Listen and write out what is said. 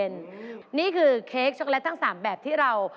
นี่คือเค้กช็อกโลตทั้ง๓แบบที่เรา